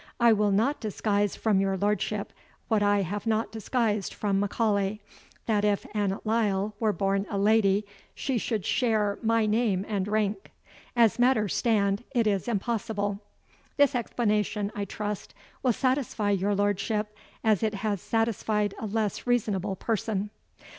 I will not disguise from your lordship, what I have not disguised from M'Aulay, that if Annot Lyle were born a lady, she should share my name and rank; as matters stand, it is impossible. This explanation, I trust, will satisfy your lordship, as it has satisfied a less reasonable person."